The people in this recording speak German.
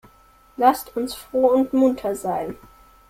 Lasst uns froh und munter sein!